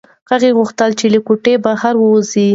هغه غوښتل چې له کوټې بهر ووځي.